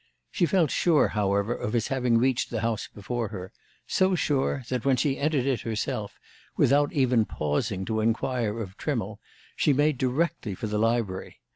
She felt sure, however, of his having reached the house before her; so sure that, when she entered it herself, without even pausing to inquire of Trimmle, she made directly for the library.